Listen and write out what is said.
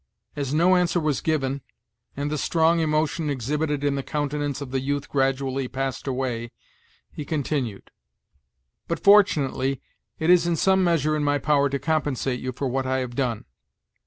As no answer was given, and the strong emotion exhibited in the countenance of the youth gradually passed away, he continued: "But fortunately it is in some measure in my power to compensate you for what I have done.